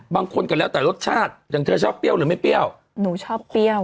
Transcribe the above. ก็แล้วแต่รสชาติอย่างเธอชอบเปรี้ยวหรือไม่เปรี้ยวหนูชอบเปรี้ยว